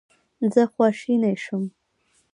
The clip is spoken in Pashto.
زه خواشینی شوم.